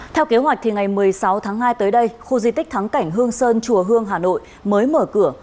theo kế hoạch ngày một mươi sáu tháng hai tới đây khu di tích thắng cảnh hương sơn chùa hương hà nội mới mở cửa